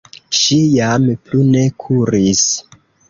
Ŝi jam plu ne kuris.